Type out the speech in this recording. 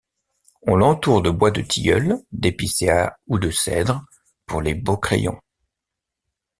On l'entoure de bois de tilleul, d'épicéa ou de cèdre pour les beaux crayons.